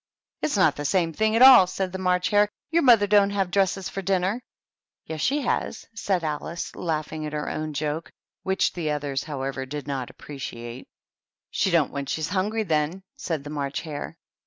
"It's not the same thing, at all," said the March Hare. "Your mother don't have dresses for dinner." "Yes, she has," said Alice, laughing at her own joke, which the others, however, did not appreciate. THE TEA TABLE. 77 " She don't when she's hungry, then," said the March Hare.